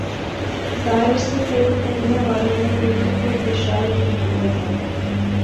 داعش سے تیل خرینے والوں میں ایک تو خود بشار کی حکومت ہے